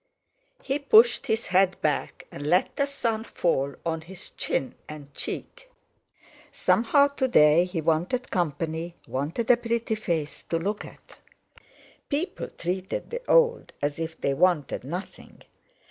He pushed his hat back and let the sun fall on his chin and cheek. Somehow, to day, he wanted company—wanted a pretty face to look at. People treated the old as if they wanted nothing.